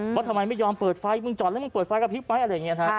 ว่าทำไมไม่ยอมเปิดไฟมึงจอดแล้วมึงเปิดไฟกับพลิกไหมอะไรอย่างนี้